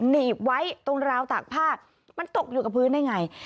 หนีบไว้ตรงราวตากผ้ามันตกอยู่กับพื้นได้ไง